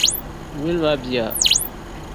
Nyuli maa biya.